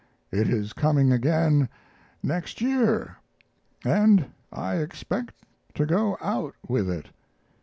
It is coming again next year, and I expect to go out with it.